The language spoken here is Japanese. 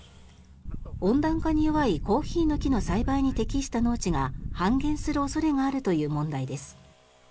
温暖化に弱いコーヒーの木の栽培に適した農地が半減する恐れがあるという問題です。